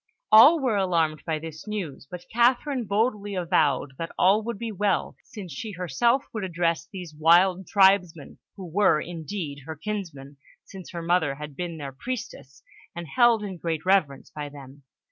All were alarmed by this news, but Catherine boldly avowed that all would be well, since she herself would address these wild tribesmen, who were, indeed, her kinsmen, since her mother had been their priestess and held in great reverence by them.